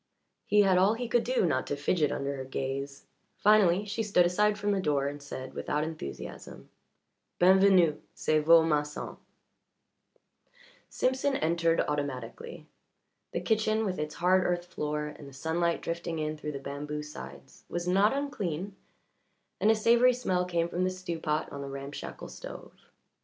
He had all he could do not to fidget under her gaze; finally, she stood aside from the door and said, without enthusiasm: "B'en venu. C'est vo' masson." Simpson entered automatically. The kitchen, with its hard earth floor and the sunlight drifting in through the bamboo sides, was not unclean, and a savoury smell came from the stew pot on the ramshackle stove.